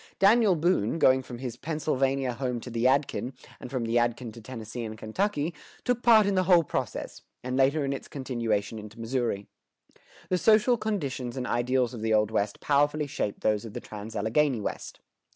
Daniel Boone, going from his Pennsylvania home to the Yadkin, and from the Yadkin to Tennessee and Kentucky, took part in the whole process, and later in its continuation into Missouri.[124:2] The social conditions and ideals of the Old West powerfully shaped those of the trans Alleghany West.